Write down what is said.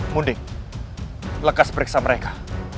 munding lekas periksa mereka